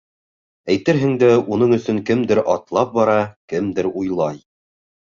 Әйтерһең дә, уның өсөн кемдер атлап бара, кемдер уйлай.